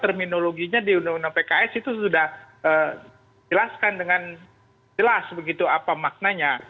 terminologinya di undang undang pks itu sudah jelaskan dengan jelas begitu apa maknanya